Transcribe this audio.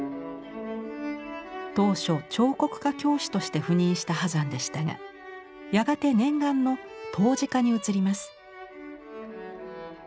当初彫刻科教師として赴任した波山でしたがやがて念願の陶磁科に移ります。